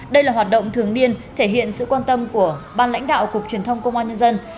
đây là hoạt động thường niên thể hiện sự quan tâm của ban lãnh đạo cục truyền thông công an nhân dân